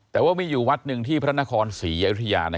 แต่ว่ามีอยู่วัดหนึ่งที่พระนครศรีอยุธยา